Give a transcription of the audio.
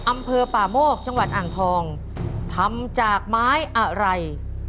อำเภอป่าโมกจังหวัดอ่างทองทำจากไม้อะไร